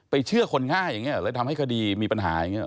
เชื่อคนง่ายอย่างนี้แล้วทำให้คดีมีปัญหาอย่างนี้